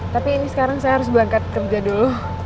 tapi ini sekarang saya harus berangkat kerja dulu